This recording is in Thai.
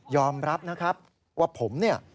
อมรับนะครับว่าผมเนี่ย